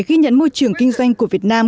ghi nhận môi trường kinh doanh của việt nam